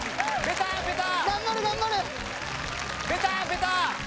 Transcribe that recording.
出た！